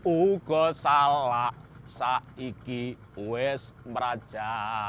ugo salak saiki wes meraja